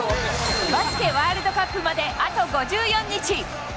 バスケワールドカップまであと５４日。